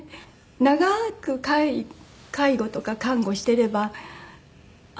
長く介護とか看護してればあ